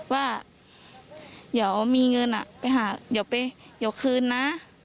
ว่าเดี๋ยวมีเงินไปหาเดี๋ยวคืนนะ